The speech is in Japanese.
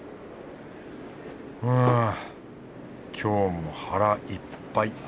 あぁ今日も腹いっぱい。